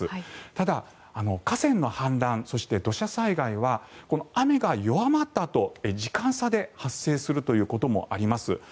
ただ、河川の氾濫そして、土砂災害はこの雨が弱まったあと時間差で発生するということもあります。